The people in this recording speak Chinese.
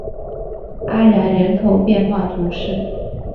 阿然人口变化图示